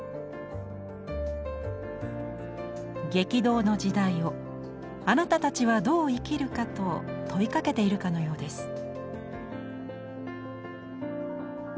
「激動の時代をあなたたちはどう生きるか」と問いかけているかのようです。